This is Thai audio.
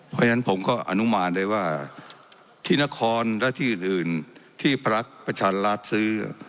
เพราะฉะนั้นผมก็อนุมานได้ว่าที่นครและที่อื่นที่พักประชารัฐซื้อ